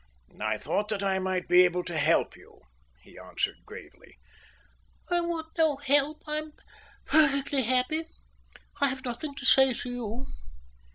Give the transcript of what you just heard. "I thought that I might be able to help you," he answered gravely. "I want no help. I'm perfectly happy. I have nothing to say to you."